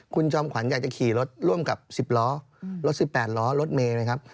คุณจอมขวัญอยากจะขี่รถร่วมกับ๑๐ล้อรถ๑๘ล้อรถเมย์นะครับ